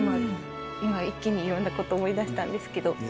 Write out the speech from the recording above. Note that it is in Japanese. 今、一気にいろんなこと、思い出したんですけど。